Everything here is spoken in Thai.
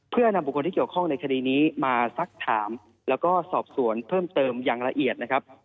เพื่อนำบุคคลที่เกี่ยวข้องในคดีนี้มาสักถามแล้วก็สอบสวนเพิ่มเติมอย่างละเอียดนะครับ